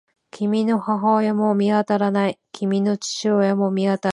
君の母親も見当たらない。君の父親も見当たらない。